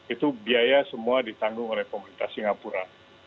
itu biaya semua ditanggung oleh pemerintah singapura